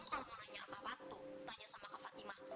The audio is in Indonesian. aku benar benar enggak tahu mas